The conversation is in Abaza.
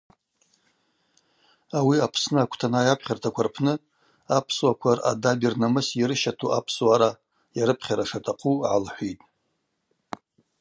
Ауи Апсны аквтанай апхьартаква рпны апсуаква ръадаби рнамыси йрыщату апсуара йарыпхьара шатахъу гӏалхӏвитӏ.